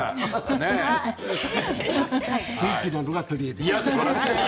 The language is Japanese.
元気なのが、とりえです。